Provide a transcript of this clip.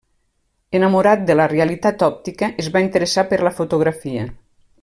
Enamorat de la realitat òptica, es va interessar per la fotografia.